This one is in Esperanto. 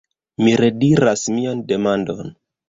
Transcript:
Mi rediras mian demandon.